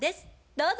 どうぞ。